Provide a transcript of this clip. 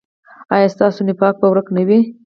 ایا ستاسو نفاق به ورک نه وي؟